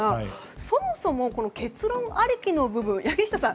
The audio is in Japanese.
そもそも結論ありきの部分柳下さん